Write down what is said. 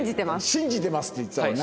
信じてますって言ってたもんな。